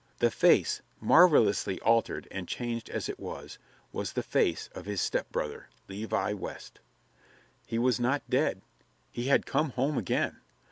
The face, marvelously altered and changed as it was, was the face of his stepbrother, Levi West. He was not dead; he had come home again.